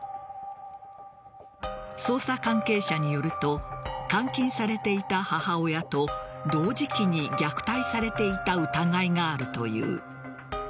捜査関係者によると監禁されていた母親と同時期に虐待されていた疑いがあるという。